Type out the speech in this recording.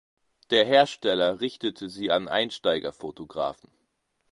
Der Hersteller richtete sie an Einsteiger-Fotografen.